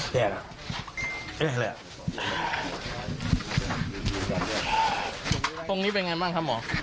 ปรุงนี้เป็นยังไม่มั่งครับหมอ